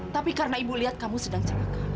tapi karena ibu lihat kamu sedang celaka